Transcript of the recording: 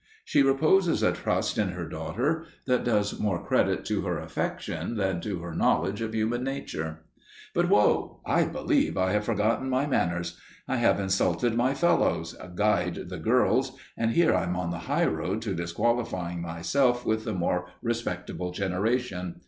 She reposes a trust in her daughter that does more credit to her affection than to her knowledge of human nature. But whoa! I believe I have forgotten my manners! I have insulted my fellows, guyed the girls, and here I am on the high road to disqualifying myself with the more respectable generation.